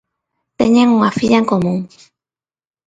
Teñen unha filla en común.